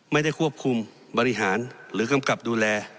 ไม่ได้ควบคุมบริหารหรือกำกับดูแล